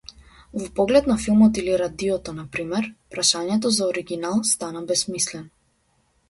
Во поглед на филмот или радиото, на пример, прашањето за оригинал стана бесмислено.